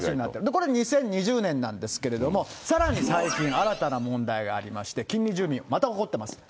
これ２０２０年なんですけれども、さらに最近、新たな問題がありまして、近隣住民、また怒ってます。